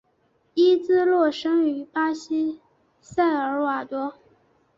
伊芝诺生于巴西萨尔瓦多。